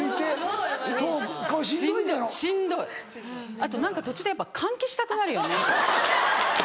あと何か途中でやっぱ換気したくなるよね。